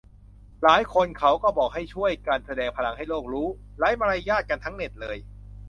หลายคนเขาก็บอกว่าให้ช่วยกันแสดงพลังให้โลกรู้ - ไร้มารยาทกันทั้งเน็ตเลย